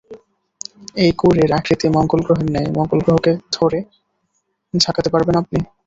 এই কোরের আকৃতি মঙ্গলগ্রহের ন্যায়, মঙ্গলগ্রহকে ধরে ঝাঁকাতে পারবেন আপনি?